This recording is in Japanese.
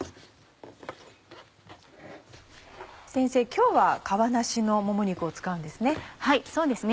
先生今日は皮なしのもも肉を使うんですね。